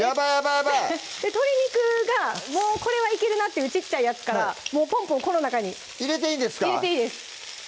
やばい鶏肉がもうこれはいけるなっていう小っちゃいやつからもうポンポンこの中に入れていいんですか入れていいです